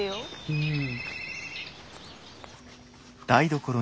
うん。